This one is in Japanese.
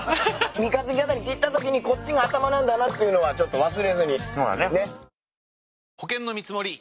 三日月形に切ったときにこっちが頭なんだなっていうのはちょっと忘れずに。